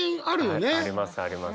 ありますあります。